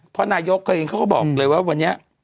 พอนายกเขาบอกเลยว่าวันนี้